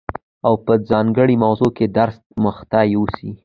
او په ځانګړي موضوع کي درس مخته يوسي،